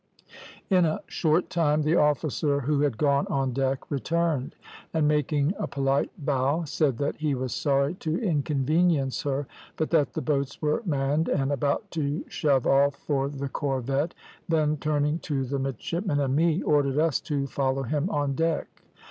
"In a short time the officer who had gone on deck returned, and, making a polite bow, said that he was sorry to inconvenience her, but that the boats were manned and about to shove off for the corvette, then turning to the midshipmen and me, ordered us to follow him on deck.